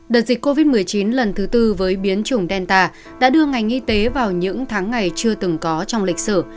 đợt dịch covid một mươi chín lần thứ tư với biến chủng delta đã đưa ngành y tế vào những tháng ngày chưa từng có trong lịch sử